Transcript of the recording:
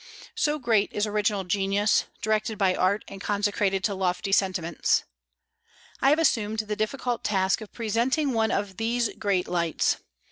So great is original genius, directed by art and consecrated to lofty sentiments. I have assumed the difficult task of presenting one of these great lights.